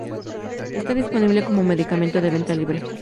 Está disponible como medicamento de venta libre.